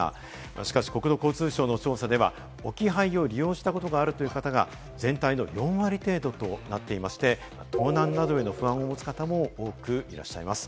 しかし、国土交通省の調査では、置き配を利用したことがあるという方が、全体の４割程度となっていまして、盗難などへの不安を持つ方も多くいらっしゃいます。